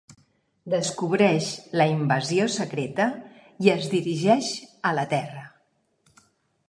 Descobreix la Invasió Secreta i es dirigeix a la Terra.